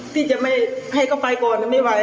ที่จะให้เข้าไปก่อนน่ะน่ะไม่ไหว